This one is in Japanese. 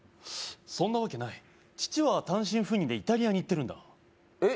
そんなわけない父は単身赴任でイタリアに行ってるんだえっ？